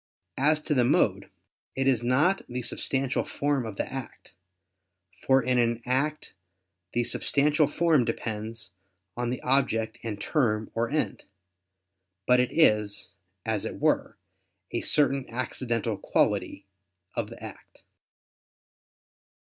As to the mode, it is not the substantial form of the act, for in an act the substantial form depends on the object and term or end; but it is, as it were, a certain accidental quality of the act.